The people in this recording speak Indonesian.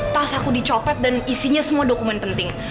tas aku dicopet dan isinya semua dokumen penting